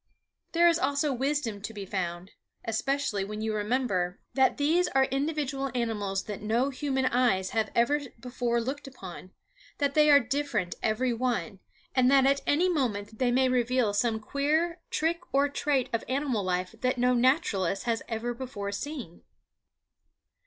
There is also wisdom to be found, especially when you remember that these are individual animals that no human eyes have ever before looked upon, that they are different every one, and that at any moment they may reveal some queer trick or trait of animal life that no naturalist has ever before seen.